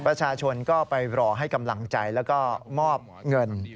ประชาชนก็ไปรอให้กำลังใจแล้วก็มอบเงิน